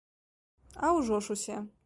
А ўжо ж усе.